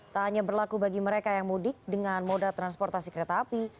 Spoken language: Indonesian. tak hanya berlaku bagi mereka yang mudik dengan moda transportasi kereta api